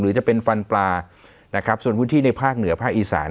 จะเป็นฟันปลานะครับส่วนพื้นที่ในภาคเหนือภาคอีสาน